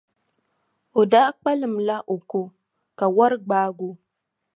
O daa kpalimla o ko, ka wari gbaagi o.